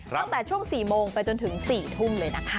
ตั้งแต่ช่วง๔โมงไปจนถึง๔ทุ่มเลยนะคะ